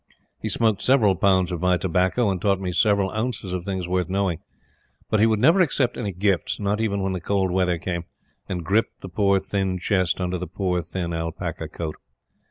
He smoked several pounds of my tobacco, and taught me several ounces of things worth knowing; but he would never accept any gifts, not even when the cold weather came, and gripped the poor thin chest under the poor thin alpaca coat.